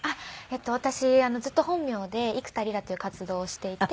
私ずっと本名で幾田りらっていう活動をしていて。